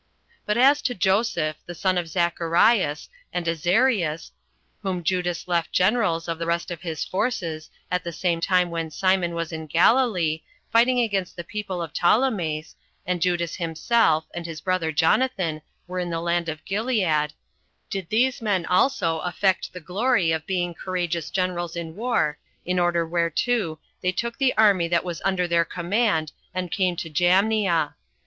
21 6. But as to Joseph, the son of Zacharias, and Azarias, whom Judas left generals [of the rest of his forces] at the same time when Simon was in Galilee, fighting against the people of Ptolemais, and Judas himself, and his brother Jonathan, were in the land of Gilead, did these men also affect the glory of being courageous generals in war, in order whereto they took the army that was under their command, and came to Jamnia.